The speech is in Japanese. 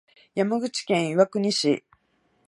山口県岩国市